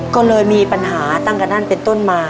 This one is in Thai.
ก็เลยมีปัญหาตั้งแต่นั้นเป็นต้นมา